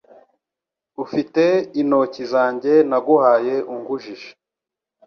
ufite intoki zanjye naguhaye ungujije